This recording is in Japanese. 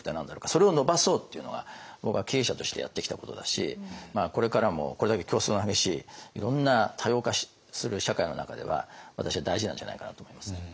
それを伸ばそうっていうのが僕は経営者としてやってきたことだしこれからもこれだけ競争が激しいいろんな多様化する社会の中では私は大事なんじゃないかなと思いますね。